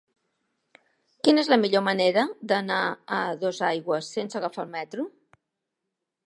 Quina és la millor manera d'anar a Dosaigües sense agafar el metro?